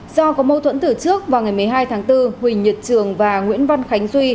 do có mâu thuẫn tử trước vào ngày một mươi hai tháng bốn huỳnh nhật trường và nguyễn văn khánh duy